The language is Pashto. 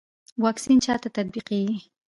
واکسین چا ته تطبیقیږي؟